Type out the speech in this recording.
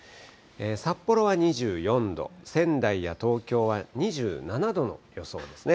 札幌は２４度、仙台や東京は２７度の予想ですね。